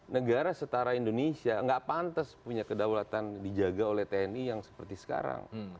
negara setara indonesia nggak pantas punya kedaulatan dijaga oleh tni yang seperti sekarang